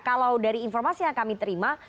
kalau dari informasi yang kami terima